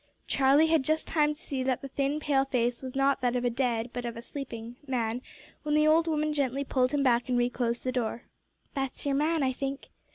Charlie had just time to see that the thin pale face was not that of a dead, but of a sleeping, man when the old woman gently pulled him back and re closed the door. "That's your man, I think."